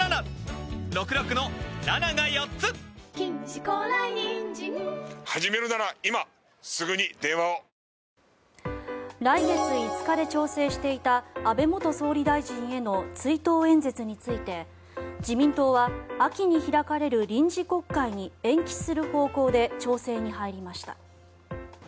いくら１人分にしたところで来月５日で調整していた安倍元総理大臣への追悼演説について自民党は秋に開かれる臨時国会に延期する方向で調整に入りました。